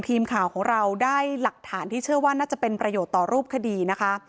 ทีมข่าวของเราได้หลักฐานที่เชื่อว่าน่าจะเป็นประโยชน์ต่อรูปคดีนะคะ